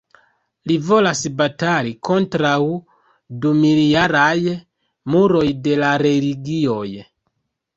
Li volas batali kontraŭ dumiljaraj muroj de la religioj.